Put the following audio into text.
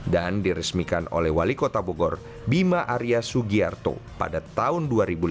dan diresmikan oleh wali kota bogor bima arya sugiarto pada tahun dua ribu lima belas